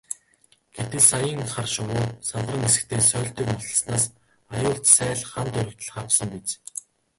Гэтэл саяын хар шувуу сандран нисэхдээ сойлтыг мулталснаас аюулт сааль хана доргитол харвасан биз.